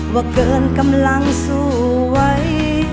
ว่าเกินกำลังสู้ไว้